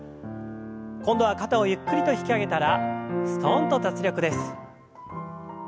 今度は肩をゆっくりと引き上げたらすとんと脱力です。